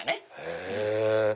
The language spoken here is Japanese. へぇ！